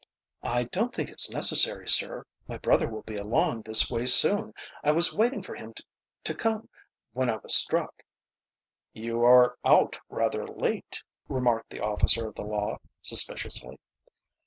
"I don't think it's necessary, sir. My brother will be along this way soon. I was waiting for him to come when I was struck." "You were out rather late," remarked the officer of the law, suspiciously.